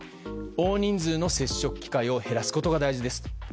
大人数の接触機会を減らすことが重要ですと。